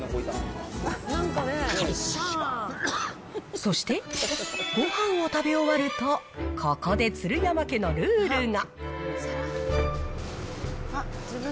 そしてごはんを食べ終わると、ここで鶴山家のルールが。